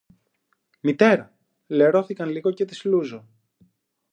Μητέρα! Λερώθηκαν λίγο και τις λούζω